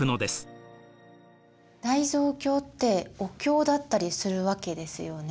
大蔵経ってお経だったりするわけですよね。